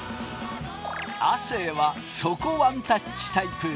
亜生は底ワンタッチタイプ。